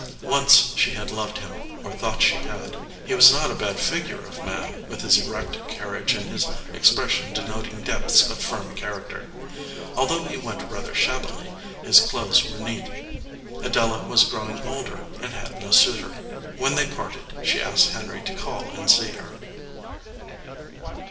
Once she had loved him, or thought she had. He was not a bad figure of man, with his erect carriage and his expression denoting depths of firm character. Although he went rather shabby, his clothes were neat. Adela was growing older and had no suitor. When they parted, she asked Henry to call and see her.